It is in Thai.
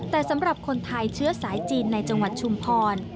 แต่สำหรับคนไทยเชื้อสายจีนในจังหวัดชุมพร